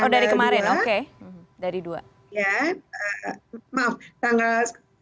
dari kemarin oke